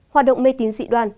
hoạt động mê tín dị đoan